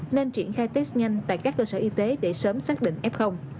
nên triển khai test nhanh tại các cơ sở y tế để sớm xác định f